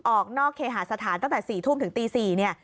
ออกนอกเคหาสถานตั้งแต่๔ทุ่มถึงตี๔เนี่ย